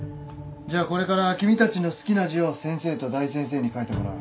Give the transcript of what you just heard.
じゃあこれから君たちの好きな字を先生と大先生に書いてもらう。